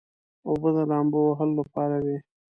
اوبه د لامبو وهلو لپاره وي.